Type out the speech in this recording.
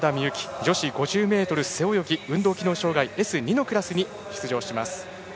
女子５０ｍ背泳ぎ運動機能障がいＳ２のクラスに出場します。